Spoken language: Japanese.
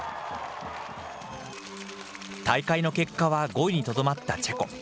大会の結果は５位にとどまったチェコ。